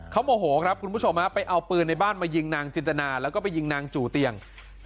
เขาโมโหครับคุณผู้ชมไปเอาปืนในบ้านมายิงนางจินตนาแล้วก็ไปยิงนางจู่เตียง